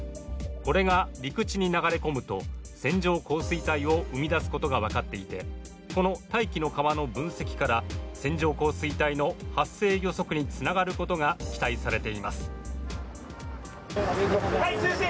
これが陸地に流れ込むと線状降水帯を生み出すことが分かっていてこの大気の河の分析から線状降水帯の発生予測につながることが期待されています